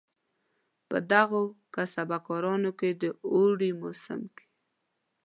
په دغو کسبه کارانو کې د اوړي په موسم کې.